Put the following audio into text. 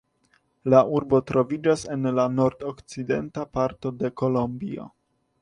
La urbo troviĝas en la nordokcidenta parto de Kolombio.